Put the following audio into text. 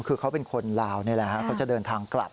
คือเขาเป็นคนลาวนี่แหละเขาจะเดินทางกลับ